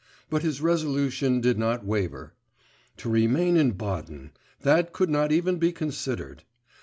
But his resolution did not waver. To remain in Baden ... that could not even be considered.